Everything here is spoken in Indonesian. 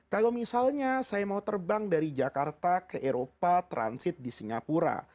kalau misalnya saya mau terbang dari jakarta ke eropa transit di singapura